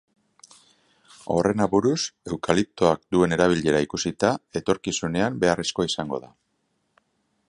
Horren aburuz, eukaliptoak duen erabilera ikusita, etorkizunean beharrezkoa izango da.